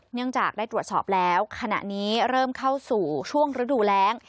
เนื่องจากได้ตรวจสอบแล้วขณะนี้เริ่มเข้าสู่ช่วงฤดูแรง